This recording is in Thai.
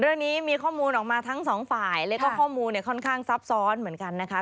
เรื่องนี้มีข้อมูลออกมาทั้งสองฝ่ายแล้วก็ข้อมูลเนี่ยค่อนข้างซับซ้อนเหมือนกันนะคะ